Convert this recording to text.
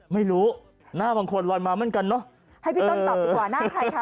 ไม่รู้หน้าบางคนลอยมาเหมือนกันเนอะให้พี่ต้นตอบดีกว่าหน้าใครคะ